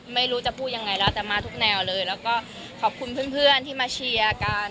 ไม่รู้จะพูดยังไงแล้วแต่มาทุกแนวเลยแล้วก็ขอบคุณเพื่อนที่มาเชียร์กัน